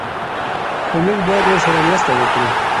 خو موږ باید ورسره مرسته وکړو.